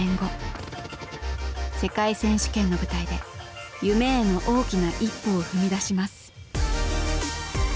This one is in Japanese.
世界選手権の舞台で夢への大きな一歩を踏み出します。